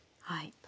はい。